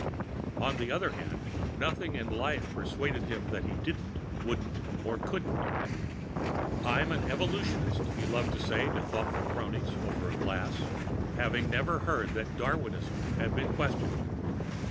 On the other hand, nothing in life persuaded him that he didn't, wouldn't, couldn't. "I'm an Evolutionist," he loved to say to thoughtful cronies (over a glass), having never heard that Darwinism had been questioned....